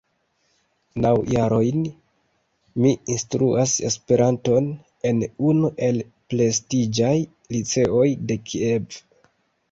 Naŭ jarojn mi instruas Esperanton en unu el prestiĝaj liceoj de Kiev.